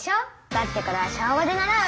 だってこれは小５で習う。